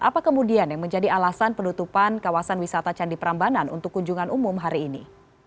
apa kemudian yang menjadi alasan penutupan kawasan wisata candi prambanan untuk kunjungan umum hari ini